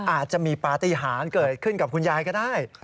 อาจจะมีปฏิหารเกิดขึ้นกับคุณยายก็ได้